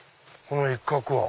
この一角は。